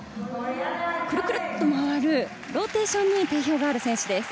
クルクルと回るローテーションに定評がある選手です。